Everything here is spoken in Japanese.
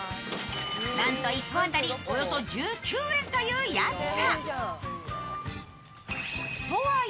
なんと１個当たりおよそ１９円という安さ。